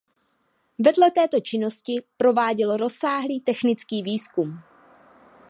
Vedle této činnost prováděl rozsáhlý technický výzkum.